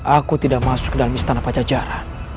aku tidak masuk ke dalam istana pajajaran